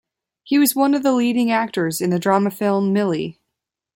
He was one of the leading actors in the drama film "Millie".